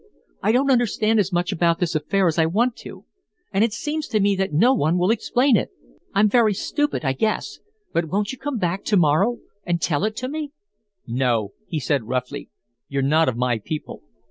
"I don't understand as much about this affair as I want to, and it seems to me that no one will explain it. I'm very stupid, I guess; but won't you come back to morrow and tell it to me?" "No," he said, roughly. "You're not of my people.